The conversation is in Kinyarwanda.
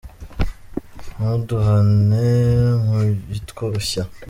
Ntuduhane mu bitwoshya